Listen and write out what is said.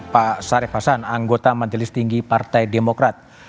pak sarif hasan anggota majelis tinggi partai demokrat